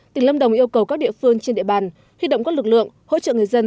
tỉnh lâm đồng yêu cầu các địa phương trên địa bàn huy động các lực lượng hỗ trợ người dân